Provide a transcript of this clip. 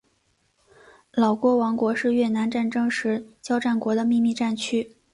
老挝王国是越南战争时交战国的秘密战区。